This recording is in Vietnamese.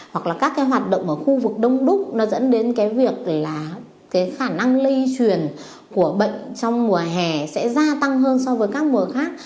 hoặc là các cái hoạt động ở khu vực đông đúc nó dẫn đến cái việc là cái khả năng lây truyền của bệnh trong mùa hè sẽ gia tăng hơn so với các mùa khác